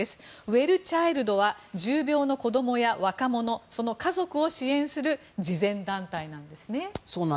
ウェルチャイルドは重病の子供や若者その家族を支援する慈善団体なんですね。